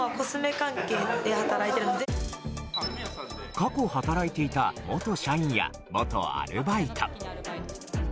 過去働いていた元社員や元アルバイト。